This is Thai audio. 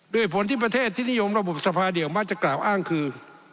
ผลที่ประเทศที่นิยมระบบสภาเดียวมักจะกล่าวอ้างคือ